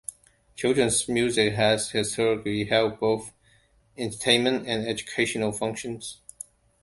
Children's music has historically held both entertainment and educational functions.